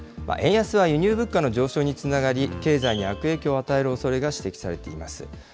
円安は輸入物価の上昇につながり、経済に悪影響を与えるおそれが指摘されています。